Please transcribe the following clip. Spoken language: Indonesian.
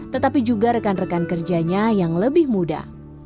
tetapi juga rekan rekan kerjanya yang lebih muda